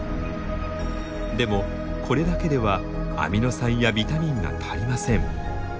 でもこれだけではアミノ酸やビタミンが足りません。